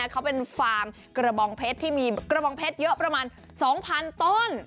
เขาเป็นฟาร์มกระบองเพชรที่มีกระบองเพชรเยอะประมาณ๒๐๐๐ต้น